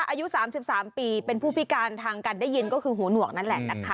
อายุ๓๓ปีเป็นผู้พิการทางการได้ยินก็คือหูหนวกนั่นแหละนะคะ